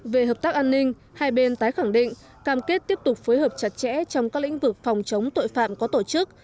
về hợp tác an ninh hai bên tái khẳng định cam kết tiếp tục phối hợp chặt chẽ trong các lĩnh vực phòng chống tội phạm có tổ chức